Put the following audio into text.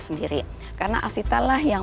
sendiri karena asitalah yang